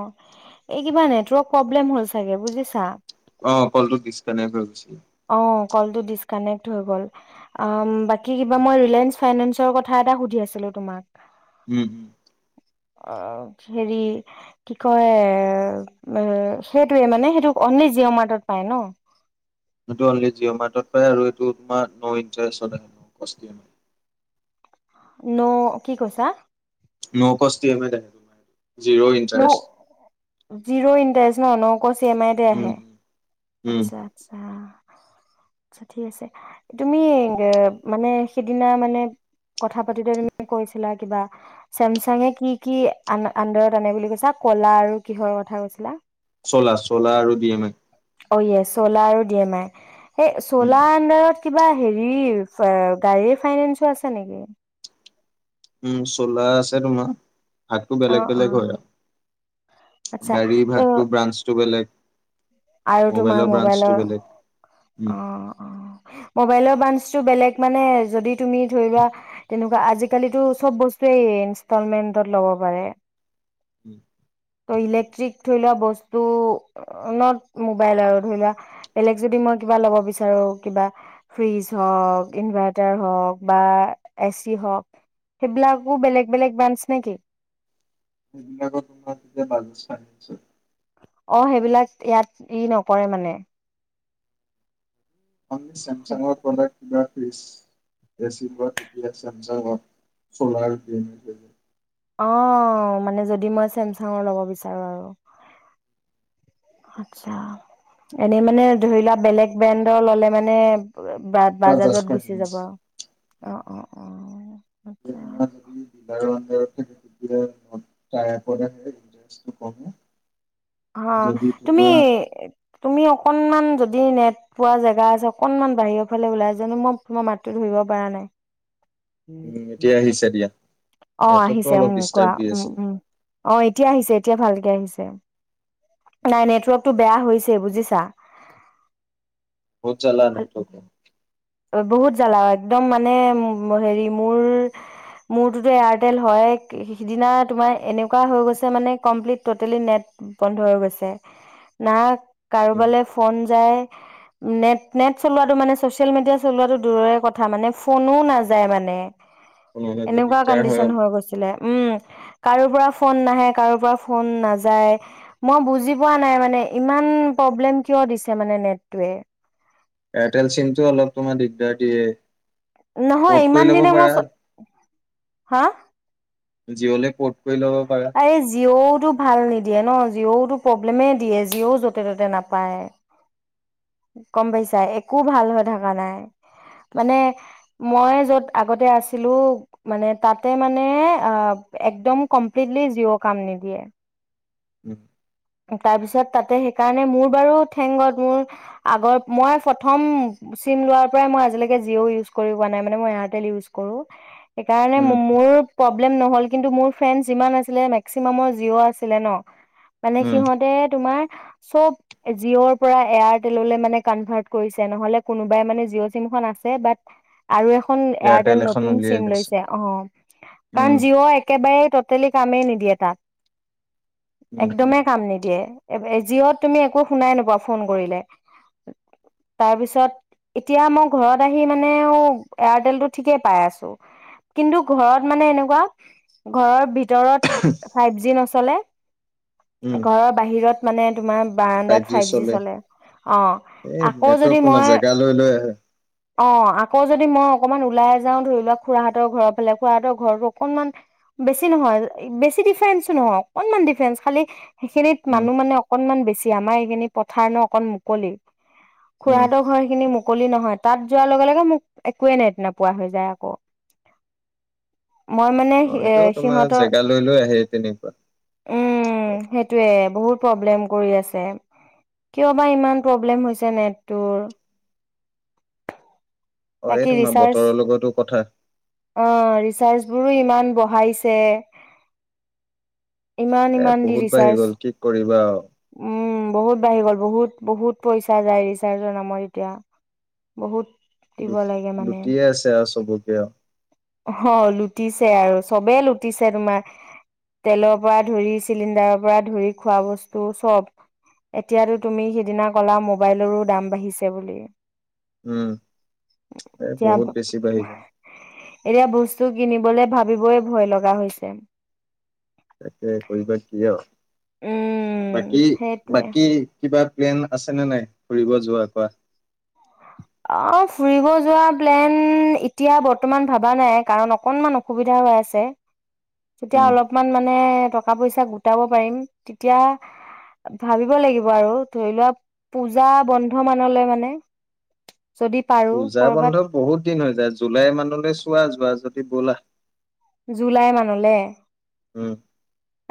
অ', এই কিবা network problem হল চাগে বুজিছা। অ', কলটো দিছ কানেক হৈ গৈছিল। অ', কলটো দিছ কানেক হৈ গল, আ ', বাকীকিবা ময় ৰিলায়েন্স ফাইনেন্সৰ কথা এটা সুধি আছিলোঁ তোমাক। উম। অ', হেৰি কি কয় সেইটোৱে মানে সেইটো অনলি জিঅ মাৰ্টত পায় ন। নতু অনলি জিঅ' মাৰ্টত পায় আৰু এইটো তোমাৰ ন' ইণ্টাৰেছত আহে নো কষ্ট ইএমআই। ন কি কইছা? ন কষ্ট ইএমআই ত আহে! জিৰ' ন ইণ্টাৰেষ্ট জিৰ' ইণ্ট্ৰেষ্ট। [unintelligible] আকৌ চি এম আইতে উম আহে। [unintelligible] উম আচ্ছা-আচ্ছা, আছা, ঠিক আছে, তুমি মানে সিদিনা মানে কথা পাতোতে, তুমি কৈছিলা কিবা চেমচাঙে কি-কি আ', আন্দাৰত আনে বুলি কৈছা। কলা আৰু কিহৰ কথা কৈছিলা? চলা-চলা আৰু ড এম এ, অয় চলাৰ দিয়া নাই সেই উম চ'লা আণ্ডাৰত। কিবা হেৰি গাড়ীৰ ফাইনেন্সো আছে নেকি? উম চলাৰ আছে তোমাৰ, ভাগতটো অ বেলেগ অ বেলেগ হয় আচ্ছা আৰু গাড়ীৰ ত' ভাগতটো ব্ৰাঞ্চটো বেলেগ। আৰু তোমাৰ ব্ৰাঞ্চটো মোবাইলৰ বেলেগ উম অ' অ ' মোবাইলৰ ব্ৰাঞ্চটো বেলেগ মানে যদি তুমি ধৰি লোৱা আজি কালি টো সৱ বস্তু ইংস্তলমেন্টত লব পাৰে উম ত ইলেক্ট্ৰিক ধৰি লোৱা বস্তু নত মোবাইল আৰু ধৰি লোৱা বেলেগ যদি মই কিবা লব বিচাৰো কিবা ফ্ৰীজ হওঁক, ইনভাৰ্টাৰ হওঁক, বা এচি হওঁক সেই বিলাকো বেলেগ বেলেগ ব্ৰাঞ্চ নে কি? সেইবিলাকো তোমাৰ যে বাজস্থ নিছো [unintelligible] অ 'সেইবিলাক ইয়াত ই নকৰে মানে। অ' চেমচাংৰ প্ৰডাক্ট দ ফজ এ চোৱা তেতিয়া চেমচাঙত চলাৰ [unintelligible] অ মানে যদি মই চেমচাঙৰ ল'ব বিচাৰো আৰু আছা এনে মানে ধৰি লোৱা বেলেগ ব্ৰেডৰ ল'লে মানে বাজাজ বাজাজত গুচি ফাইনেন্স যাব আৰু অ -অ এতিয়া - অ আচছা কম [unintelligible] হা তুমি তুমি অকনমান যদি নেট পোৱা জেগা আছে অকনমান বাহিৰৰ ফালে ওলাই জানো মই তোমাৰ মাত টো ধৰিব পৰা নাই। উম এতিয়া আহিছে দিয়া। অ নেটৱৰ্কটো আহিছে অলপ উ কোৱা ডিষ্টাৰ্ব দি উম আছিল -উম অ' কোৱা এতিয়া আহিছে এতিয়া ভালকে আহিছে নাই নেটৱৰ্কটো বেয়া হৈছে বুজিছা। অ চলা নাই থ ক [unintelligible] বহুত জ্বালাও একদম মানে হেৰি মোৰ। মোৰটোোতো এয়াৰটেল হয় সিদিনা তোমাৰ এনেকুৱা হৈ গৈছে মানে কমপ্লিট টটেলি নেট বন্ধ হৈ গৈছে না উম কাৰোবালৈ ফোন যায়। নেট নেট চলোৱাটো মানে চচিয়েল মিডিয়া চলোৱাাতটো দূৰৰে কথা মানে ফোনো নাযায় মানে। কোনোবাকে এনেকুৱা দিগদাৰ হয় কণ্ডিচন অলপ হৈ গৈছিলে উম, কাৰো পৰা ফোন নাহে কাৰো পৰা ফোন নাযায় মই বুজি পোৱা নাই মানে ইমান প্ৰব্লেম কিয় দিছে মানে নেটটয়ে। এয়াৰটেল চিমটো অলপ তোমাৰ দিগদাৰ দিয়ে। নহয় পৰ্ট কৰি ইমান ল'ব দিনে মই পাৰা হা? জিঅ'লে পৰ্ট কৰি ল'ব পাৰা আৰে জিঅ'ত টো ভাল নিদিয়ে ন জিঅ টো প্ৰব্লেমে দিয়ে জিঅ য'তে ত'তে নাপায়। গম পাইছা একো ভাল হৈ থকা নাই মানে মই য'ত আগতে আছিলো মানে তাতে মানে একদম কমপ্লিটলি জিঅ' কাম নিদিয়ে। উম তাপিছত তাতে সেইকাৰণে মোৰ বাৰু থেংগত মোৰ আগৰ মই প্ৰথম চিম লোৱাৰ পৰাই মই আজিলেকে জিও ইউজ কৰি পোৱা নাই মানে মই এয়াৰটল ইউজ কৰো। সেইকাৰণে উম ম উম মোৰ প্ৰব্লেম নহল কিন্তু মোৰ ফ্ৰেণ্ড যিমান আছিলে মেক্সিমামৰ জিঅ আছিলে ন। মানে উম সিহঁতে তোমাৰ চব জিঅ'ৰ পৰা এয়াৰটেললে মানে কনভাৰ্ট কৰিছে নহলে কোনোবাই মানে জিঅ' চিমখন আছে বাট আৰু এখ খন এয়াৰটেল নতুন চিম লৈছে আহ উম কাৰণ জিঅ' একেবাৰে টটেলি কামেই নিদিয়ে তাত। উম উম একদমেই কাম নিদিয়ে জিঅ'ত তুমি একো শুনাই নোপোৱা ফোন কৰিলে তাৰপিছত এতিয়া মই ঘৰত আহি মানে অঁ এয়াৰটেলতটো ঠিকে পাই আছো কিন্তু ঘৰত মানে এনেকুৱা ঘৰৰ ভিতৰত ফাইভ জি নচলে- উম ঘৰৰ বাহিৰত মানে তোমাৰ বাৰাণ্ডাত ফাইভ জি চলে অঁ এই আকৌ নেটৱৰ্ক যদি তোমাৰ মই জেগা লৈ লৈ আহে অঁ আকৌ যদি মই অকমান ওলাই যাওঁ ধৰি লোৱা খুৰাহতঁৰ ঘৰৰ ফালে খুৰাহঁতৰ ঘৰতো অকনমান বেছি নহয় বেছি ডিফাৰেন্সো নহয় অকনমান ডিফাৰেন্স খালি সেইখিনিত উম মানুহ মানে অকনমান বে আমাৰ এইখিনি পথাৰ নো অকণ মুকলি উম খুৰাহতঁৰ ঘৰখিনি যে অকলি নহয় তাত যোৱাৰ লগে লগে মোক একোৱে নেট নোপোৱা হৈ যায় আকৌ মই মানে অঁ এ এইটো তোমাৰ সিহঁতৰ জেগা লৈ লৈ আহে তেনেকুৱা অলপ সেইটোৱে বহুত প্ৰব্লেম কৰি আছে কিয় বা ইমান প্ৰব্লেম হৈছে নেটৰ অ এই বাকী তোমাৰ ৰিচাৰ্জ বতৰৰ লগতো কথা অ ৰিচাৰ্জ বোৰো ইমান। ই বহাইছে। ইমান এ ইমান বহুত বাঢ়ি চাৰ্চ গ'ল কি কৰিবা আৰু উম বহুত বাঢ়ি গ'ল বহুত। বহুত বহুত পইচা যায় ৰিচাৰ্জৰ নামত এতিয়া বহুত। দিব লুট লাগে মানে লুটিয়ে আছে আও চবকে আও। অ লুটিছে আৰু চবেই লুটিছে তোমাৰ। তেলৰ পৰা ধৰি চিলিণ্ডাৰৰ পৰা ধৰি খোৱা বস্তু চব এতিয়াতো তুমি সিদিনা কলা মোবাইলৰো দাম বাঢ়িছে বুলি। উম, এ এতিয়া বহুত বেছি বাঢ়ি গ'ল। এতিয়া বস্তু কিনিবলৈ ভাবিবই ভয় লগা হৈছে তাকে কৰিবা কিয় বাকী সেইটোৱে বাকী কি বাত প্লেন আছে ন নাই ফুৰিব যোৱা কোৱা। অ ফুৰিব যোৱা প্লেন এতিয়া বৰ্তমান ভবা নাই কাৰণ অকণমান অসুবিধা হৈ আছে। তেতিয়া উম অলপমান মানে কা পইচা গোটাব পাৰিম তেতিয়া ভাবিব লাগিব আৰু ধৰি লোৱা পূজা বন সমানলৈ মানে যদি পাৰো পূজা বন্ধ কৰ'বাত বহুত দিন হৈ যায় জুলাই মানলৈ চোৱা যোৱা। যদি ব'লা। জোলাই মানুলে উম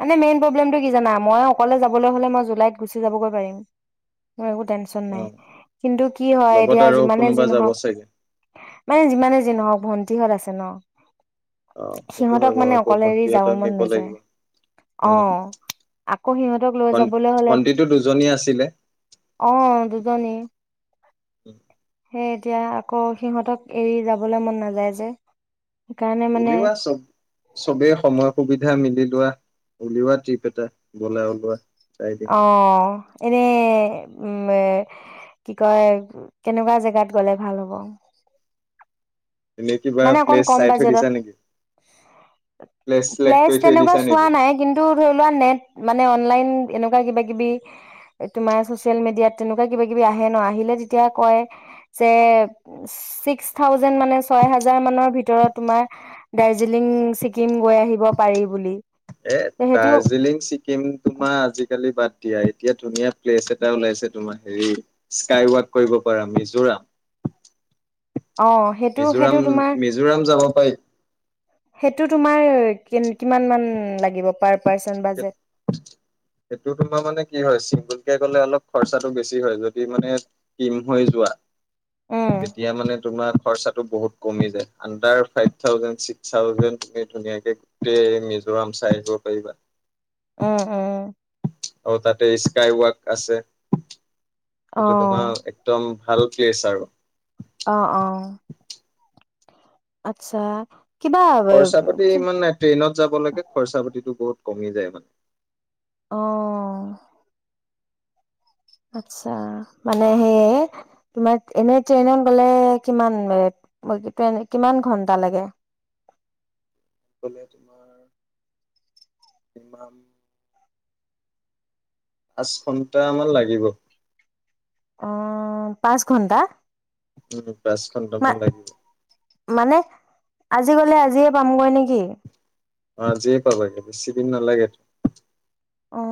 এে মেইন প্রব্লেমটো কি জানা? মই অকলে যাবলৈ হলে মই জুলাইত গুছি যাবগৈ পাৰিম। [unintelligible] ম একো টেনচন অ নাই কিন্তু কি হয় লগত এতিয়া আৰু যিমানে কোনোবা যি যাব নহক চাগে মানে যিমানে নহক ভি [inaudible] হত আছে ন অ সেইটো হয় সিহঁতক বাৰু মানে আকৌ অকলেৰি যাব ভন্টিহঁতক মন নিব নাযায় লাগিব উম আহ আকৌ সিহঁতক লৈ ভন যাবলৈ হলে ভন্টিটো দুজনী আছিলে আহ দুজনী সেই এতিয়া আকৌ সিহঁতক এৰি যাবলৈ মন নাযায় যে। সেইকাৰণে মানে চবে সময় সুবিধা মিলি উল লোৱা উলিওৱা টিপ এটা বলাই ওলোৱা। চাই দিম অ এনে উম কি কয় কেনেকুৱা জেগাত গলে ভাল হ'ব? এনে কিবা মানে অকন প্লেচ কম চাই থৈ বাজেতত দিছা নেকি? চিলেক্ট প্লেচ কৰি থৈ তেনেকে দিছা চোৱা নেকি? নাই কিন্ত ধৰি লোৱা নে মানে লাইন এনে কোৱা কিবা কিবি এ তোমাৰ চচিয়েল মিডিয়াত কেনেকুৱা কিবা কিবি আহে ন আহিলে তেতিয়া কয় যে ছিক্স থাউজেন মানে ছয় হাজাৰ মানৰ ভিতৰত তোমাৰ দাৰ্জিলিং ছিকিম গৈ আহিব পাৰি বুলি। এ সেইটো দাৰ্জিলিং ছিকিম তোমাৰ আজিকালি বাদ দিয়া। এতিয়া ধুনীয়া প্লেচ এটা ওলাইছে তোমাৰ হেৰি স্কাই ৱাক কৰিব পাৰা মিজোৰাম। অ সেইটো সেইটো মিজোৰাম তোমাৰ মিজোৰাম যাব পাৰি। সেইটো তোমাৰ কিমান মান লাগিব পাৰ পাৰ্চন বাজেট সেইটো তোমাৰ মানে কি হয় চিংগল লে অলপ খৰচাটো বেছি হয় যদি মানে কিম হৈ যোৱা উম তেতিয়া মানে তোমাৰ খৰচাটো বহুত কমি যায় under five thousand six thousand তুমি ধুনীয়াকে গোটেই মিজোৰাম চাই আহিব পাৰিবা। অ অ অ তাতে স্কাই ৱাক আছে। অ এইটো তোমাৰ একদম ভাল প্লেছ আৰু অ অ আচ্ছা কিবা খৰচা পাতি কি ইমান নাই ট্ৰেইনত যাব লাগে খৰচা পাতিতো বহুত কমি যায় মানে আহ আটছা মানে সেই তোমাৰ এনে ট্ৰেইনত গ'লে কিমান মিনিট কিমান ঘন্টা লাগে গ'লে তোমাৰ কিমান পাঁচ ঘন্টামান লাগিব অ পাঁচ ঘন্টা উম পাঁচ ঘণ্টা মা মান লাগিব মানে আজি গ'লে আজিয়ে পামগৈ নেকি অ আজিয়ে পাবাগে বেছি দিন নালাগেতো অ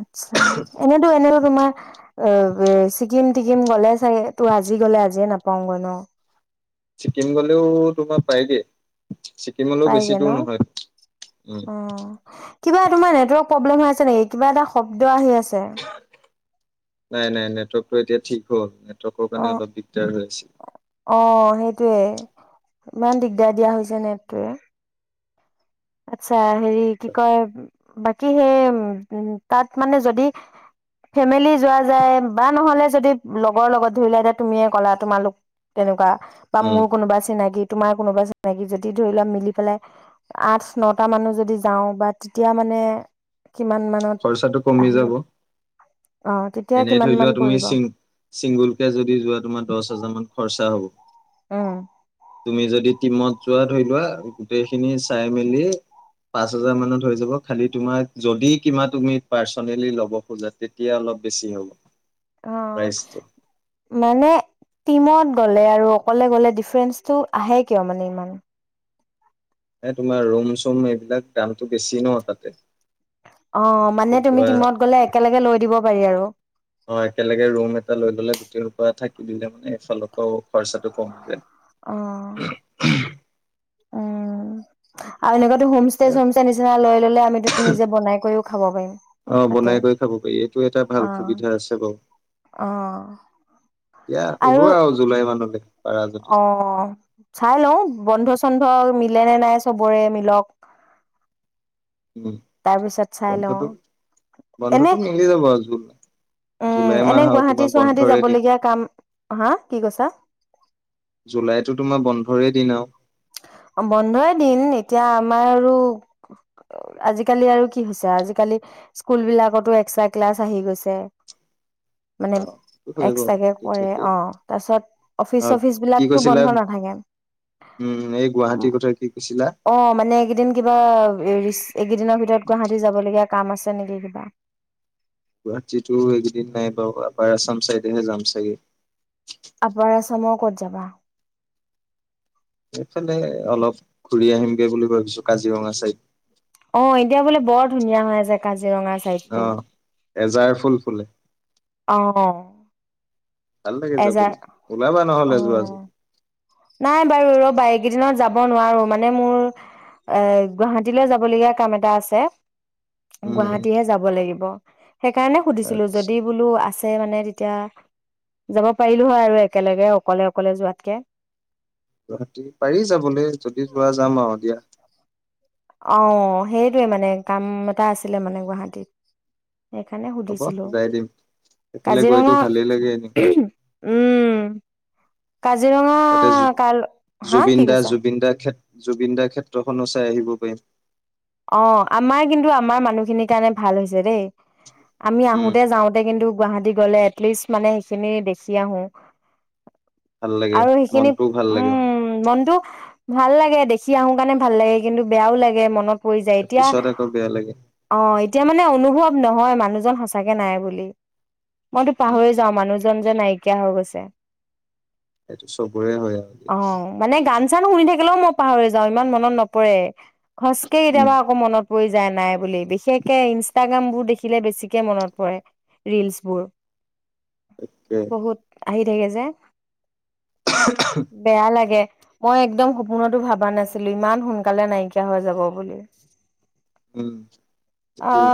আটচ্ছা এনেইতো এনেতো তোমাৰ অ ছিকিম টিকিম গ'লে চাগে ত আজি গলে আজিয়ে নাপাওঁগৈ ন ছিকিম গ'লেও তোমাৰ পায়গে ছিকিমলৈও বেছি পাইগে দূৰ নহয় উম। ন অ কিবা তোমাৰ নেটৱৰ্ক প্ৰব্লেম হৈ আছে নেকি কিবা এটা শব্দ আহি আছ ছে নাই নাই নেটৱৰ্কটো এতিয়া ঠিক হ'ল টৱৰ্কৰ কাৰণে অ' অলপ দিগদাৰ হৈ আছে অ সেইটোৱে ইমান দিগদাৰ দিয়া হৈছে নেটটোৱে আত্ছা হেৰি কি কয় বাকী সেই উ তাত মানে যদি ফেমেলি যোৱা যায় বা নহ'লে যদি লগৰ লগত ধৰিলো এতি তুমিয়ে ক'লা তোমালোক তেনেকুৱা বা উম মোৰ কোনোবা চিনাকি তোমাৰ কোনোবা চিনাকি যদি ধৰি লোৱা মিলি পেলাই আঠ নটা মানুহ যদি যাওঁ বা তেতিয়া মানে কিমান মানত খৰচাটো কমি আহিব যাব অ তেতিয়া এনেই কিমান ধৰি মান লোৱা তুমি পৰিব চিং চিংগুলকে যদি যোৱা তোমাৰ দহ হাজাৰ মান খৰচা হ'ব উম তুমি যদি টিমত যোৱা ধৰি লোৱা গোটেইখিনি চাই মেলি পাঁচ হাজাৰ মানত হৈ যাব খালি তোমাৰ যদি কিবা তুমি পাৰ্চনেলি ল'ব খোজা তেতিয়া অলপ বেছি হ'ব অ প্ৰাইচটো। মানে টিমত গ'ল লে আৰু অকলে গ'লে ডিফাৰেঞ্চটো আহে কিয় মানে ইমান এ তোমাৰ ৰুম চোম এইবিলাক দামটো বেছি ন তাতে অ মানে ধৰি তুমি লোৱা টিমত গলে একেলগে লৈ দিব পাৰি আৰু ত থাকি দিলে মানে এইফালৰ পৰাও খৰচাটো কমি যায় অ উম আৰু লগত হোম ষ্টে এ চোমছে নিচিনা লৈ ললে আমিতো নিজে বনাই কৰিও খাব পাৰিম অ তাতে বনাই কৰি খাব পাৰি এইটো এটা ভাল অ সুবিধা আছে বাৰু অ দিয়া আৰু ওলোৱা জুলাই মানলৈ পাৰা যদি অ চাই লওঁ বন্ধ চন্ধ ম মিলে নে নাই চবৰে মিলক উম তাৰ পিছত চাই লওঁ বন্ধটো এনে বন্ধটো মিলি যাব আৰু জ নাই উম এনে গুৱাহাটী চুৱাহাটী যাব দিন লগগীয়া কাম হা কি কৈছা তোৰে দিনা আও বন্ধই দিন এতিয়া আমাৰ আৰু আজিকালি আৰু কি হৈছে আজিকালি স্কুল বিলাকতো এক্সট্ৰা ক্লাছ আহি গৈছে অ মানে হৈ গল এক্সট্ৰাকে কৰে থাকেই অ তাৰ পিছত অফিচ অ চফিচ কি বিলাকতো কৈছিলা বন্ধ নাথাকে উম এই গুৱাহাটীৰ কথা কি কৈছিলা অ মানে এইকেইদিন কিবা এইকেইদিনৰ ভিতৰত গুৱাহাটী যাব লগীয়া কাম আছে নেকি কিবা গুৱাহাটীতো এইেইকেইদিন নাই বাৰু আপাৰ আছাম চাইডেহে যাম চাগে সমৰ কত যাবা এইফালে অলপ ঘূৰি আহিমগে বুলি ভাবিছো কাজিৰঙা চাইদ অ এতিয়া বোলে বৰ ধুনীয়া হয় আছে কাজ কাজিৰঙা অ চাইডটো এজাৰ ফুল ফুলে অ ভাল লাগে এজাৰ যাবলৈ ওলাবা অ নহলে যোৱা যদি নাই বাৰু ৰ ব কেইদিনত যাব নোৱাৰো মানে মোৰ এ গুৱাহাটীলৈ যাবলগীয়া কাম এটা আছে উম উম গুৱাহাটীহে যাব লাগিব সেইকাৰণে সুধিছিলো আচ্ছা যদি বোলো আছ ছে মানে তেতিয়া যাব পাৰিলো হয় আৰু একেলগে অকলে অকলে যোৱাতকে গুৱাহাটী পাৰি যাবলৈ যদি যোৱা যাম আও দিয়া অ সেইটোৱে মানে কাম এটা আছিলে মানে গুৱাহাটীত সেইকাৰণে হ'ব সুধিছিলো যাই দিম সেইফালে গৈতো কাজিৰঙা ভালেই লাগে এনে উম কাজিৰঙা তাতে জু কাল হা জুবিন কি দা কৈছা জুবিন দা ক্ষেত জুবিন দাৰ ক্ষেত্ৰখনো চাই আহিব পাৰিম অ আমাৰ কিন্তু আমাৰ মানুহখিনিৰ কাৰণে ভাল হৈছে দেই আমি উম আহোতে যাওঁতে কিন্তু গুৱাহাটী গ'লে এটলিষ্ট মানে সেইখিনি দেখি আহো ভাল লাগে আৰু সেইখিনি মনটোও ভাল লাগে মানে উম মনটো ভাল লাগে দেখি আহো কাৰণে ভাল লাগে কিন্তু বেয়াও লাগে মনত পৰি যায় এতিয়া পিছত আকৌ বেয়া লাগে অঁ এতিয়া মানে অনুভৱ নহয় মানুহজন সঁচাকে নাই বুলি মইতো উম পাহৰি যাওঁ মানুহজন যে নাইকিয়া হৈ গৈছে সেইটো চবৰে হয় আৰু কি জানো শুই থাকিলেও মই পাহৰি যাওঁ ইমান মনত নপৰে সেই উম কেতিয়াবা আকৌ মনত পৰি যায় নাই বুলি বিশেষকে ইনচটাগা গ্ৰাম বোৰ দেখিলে বেছিকে মনত পৰে ৰিলচ বোৰ তাকে বহুত আহি থাকে যে বেয়া লাগে মই একদম সপোনতো ভবা নাছিলো ইমান সোনকালে নাইকিয়া হৈ যাব ব উম সেইটোৱে